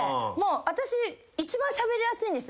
私一番しゃべりやすいんです。